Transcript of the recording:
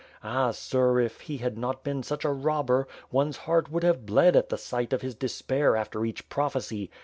Ah, sir, if he had not been such a robber, one's heart would have bled at the sight of his despair after each prophecy.